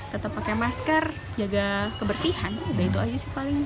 tetap pakai masker jaga kebersihan udah itu aja sih paling